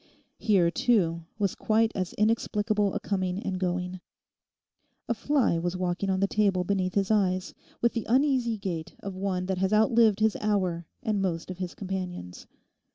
Here, too, was quite as inexplicable a coming and going. A fly was walking on the table beneath his eyes, with the uneasy gait of one that has outlived his hour and most of his companions.